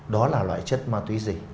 đó là loại chất ma tùy gì